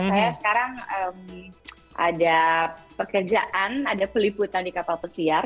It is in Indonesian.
saya sekarang ada pekerjaan ada peliputan di kapal pesiar